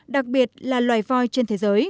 đặc biệt là loài voi trên thế giới